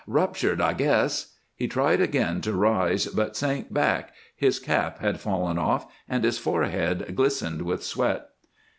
"Ruptured I guess." He tried again to rise, but sank back. His cap had fallen off and his forehead glistened with sweat.